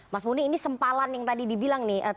namun ini sempalan yang tadi dibilang nih